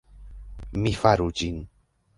Mi faru ĝin.